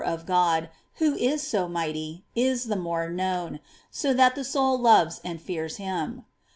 425 God, who is so mighty, is the more known, so that the soul loves and fears Him.